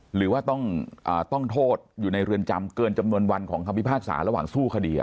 หรือว่าต้องโทษอยู่ในเรือนจำเกินจำนวนวันของคำพิพากษาระหว่างสู้คดี